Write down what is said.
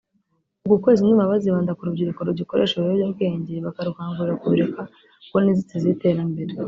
uku kwezi ndumva bazibanda ku rubyiruko rugikoresha ibiyobyabwenge bakarukangurira ku bireka kuko ni inzitizi y’iterambere